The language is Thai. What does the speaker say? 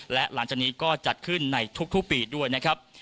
และหลังจากนี้ก็จัดขึ้นในทุกปีด้วยนะครับ